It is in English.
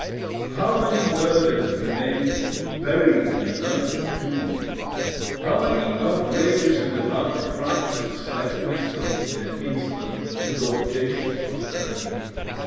How many murders remain buried in the night of the tomb! how many outrageous and avowed crimes have slept peacefully in an insolent and audacious prosperity!